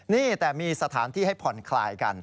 นี่แต่มีสถานที่ให้ผ่อนคลายกัน